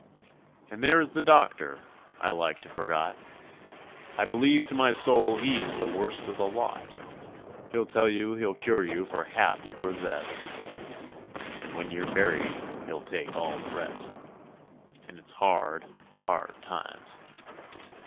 And there is the doctor, I like to forgot, I believe to my soul he's the worst of the lot; He'll tell you he'll cure you for half you possess, And when you're buried he'll take all the rest, And it's hard, hard times.